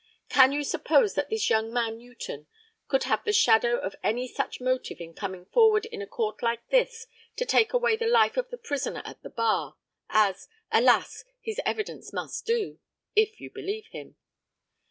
Can you suppose that this young man Newton could have the shadow of any such motive in coming forward in a court like this to take away the life of the prisoner at the bar, as, alas! his evidence must do, if you believe him.